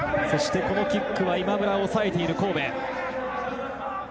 そしてこのキックは今村抑えている神戸。